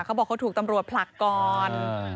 เขาบอกเขาถูกตำรวจผลักก่อน